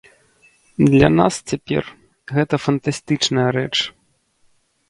Для нас цяпер гэта фантастычная рэч.